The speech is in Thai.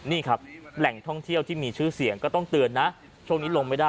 นี่ครับแหล่งท่องเที่ยวที่มีชื่อเสียงก็ต้องเตือนนะช่วงนี้ลงไม่ได้